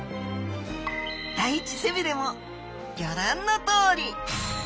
第１背びれもギョらんのとおり。